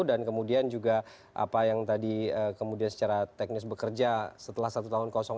dan kemudian juga apa yang tadi kemudian secara teknis bekerja setelah satu tahun kosong